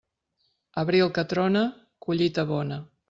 Abril que trona, collita bona.